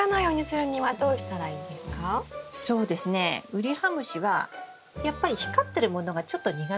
ウリハムシはやっぱり光ってるものがちょっと苦手なんですよ。